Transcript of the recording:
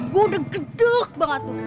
gue udah gedek banget tuh